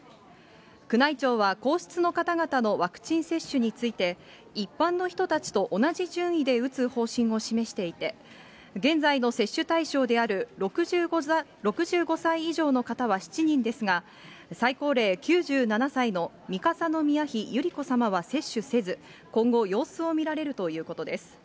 宮内庁は皇室の方々のワクチン接種について、一般の人たちと同じ順位で打つ方針を示していて、現在の接種対象である６５歳以上の方は７人ですが、最高齢９７歳の三笠宮妃百合子さまは接種せず、今後、様子を見られるということです。